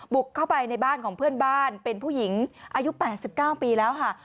บุกเข้าไปในบ้านของเพื่อนบ้านเป็นผู้หญิงอายุ๘๙ปีแล้วค่ะ